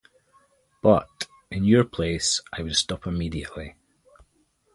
But, in your place, I would stop immediately!